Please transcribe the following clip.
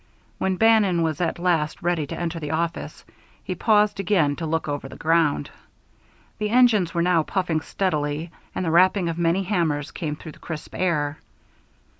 When Bannon was at last ready to enter the office, he paused again to look over the ground. The engines were now puffing steadily, and the rapping of many hammers came through the crisp air.